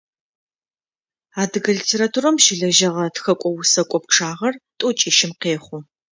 Адыгэ литературэм щылэжьэгъэ тхэкӏо-усэкӏо пчъагъэр тӏокӏищым къехъу.